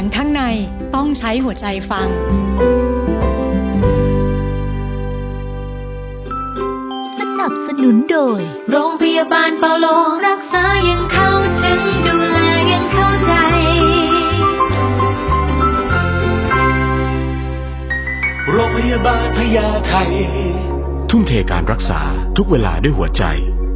ขอบคุณค่ะขอบคุณทุกคนด้วยนะคะ